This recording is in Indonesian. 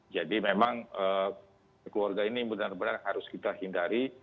jadi memang keluarga ini benar benar harus kita hindari